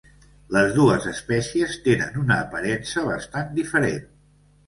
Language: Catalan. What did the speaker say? Les dues espècies tenen una aparença bastant diferent.